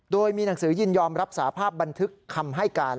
โดยมีหนังสือยินยอมรับสาภาพบันทึกคำให้การ